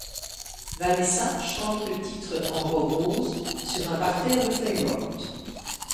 Vanessa chante le titre en robe rose, sur un parterre de feuilles mortes.